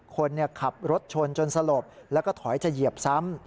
คนขับรถชนจนสลบแล้วก็ถอยจะเหยียบซ้ำ